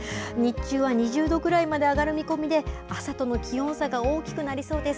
日中は２０度くらいまで上がる見込みで、朝との気温差が大きくなりそうです。